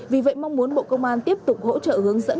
vì vậy mong muốn bộ công an tiếp tục hỗ trợ hướng dẫn